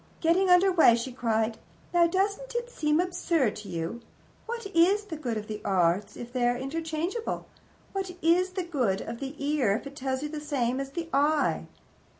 Getting under way, she cried: "Now, doesn't it seem absurd to you? What is the good of the Arts if they are interchangeable? What is the good of the ear if it tells you the same as the eye?